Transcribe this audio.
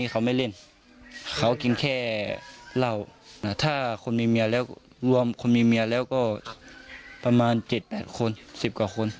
ก่อเหตุนะครับ